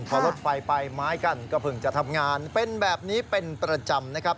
พอรถไฟไปไม้กั้นก็เพิ่งจะทำงานเป็นแบบนี้เป็นประจำนะครับ